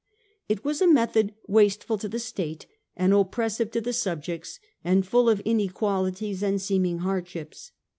1 1 was a method wasteful to the state and oppressive to the subjects, and full of inequalities and seeming hardships.